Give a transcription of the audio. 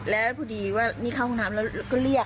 แล้วพอดีว่านี่เข้าห้องน้ำแล้วก็เรียก